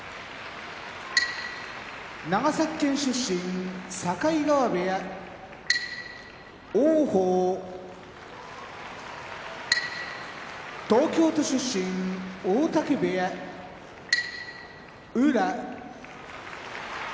長崎県出身境川部屋王鵬東京都出身大嶽部屋宇良